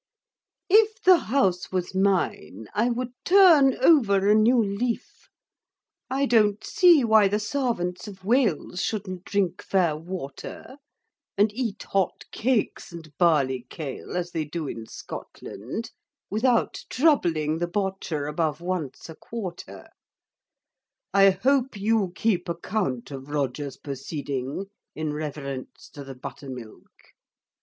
If the house was mine, I would turn over a new leaf I don't see why the sarvants of Wales shouldn't drink fair water, and eat hot cakes and barley cale, as they do in Scotland, without troubling the botcher above once a quarter I hope you keep accunt of Roger's purseeding in reverence to the buttermilk.